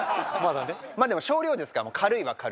まあでも少量ですから軽いは軽いです。